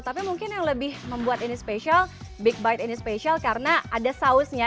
tapi mungkin yang lebih membuat ini special big bite ini special karena ada sausnya